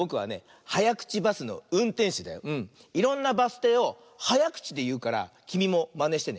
いろんなバスていをはやくちでいうからきみもまねしてね。